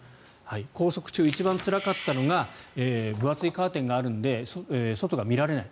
拘束中、一番つらかったのが分厚いカーテンがあるので外が見られない。